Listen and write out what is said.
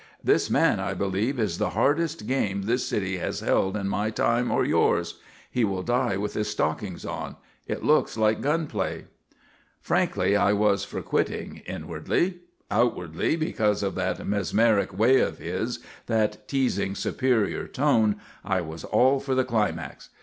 This man, I believe, is the hardest game this city has held in my time or yours. He will die with his stockings on. It looks like gun play." Frankly, I was for quitting, inwardly. Outwardly, because of that mesmeric way of his, that teasing, superior tone, I was all for the climax.